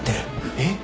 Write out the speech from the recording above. えっ？